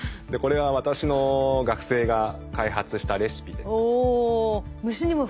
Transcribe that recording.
これは私の学生が開発したレシピで。